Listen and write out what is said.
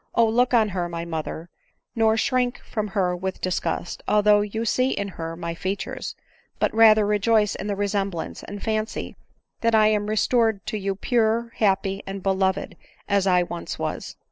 O ! look on her, my mother, nor shrink from her with disgust, although you see in her my features ; but rather rejoice in the resemblance, and fancy that I am restored to you pure, happy, and beloved as I once was.